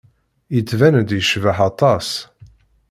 Yettban-d yecbeḥ aṭas.